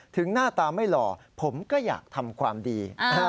หน้าตาไม่หล่อผมก็อยากทำความดี